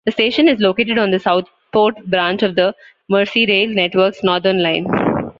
The station is located on the Southport branch of the Merseyrail network's Northern Line.